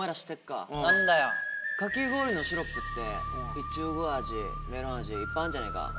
かき氷のシロップってイチゴ味メロン味いっぱいあんじゃねえか。